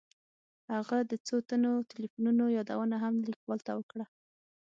هغه د څو تنو تیلیفونونو یادونه هم لیکوال ته وکړه.